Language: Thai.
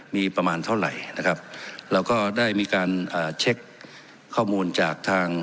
มีประมาณเท่าไหร่นะครับเราก็ได้มีการอ่าเช็คข้อมูลจากทาง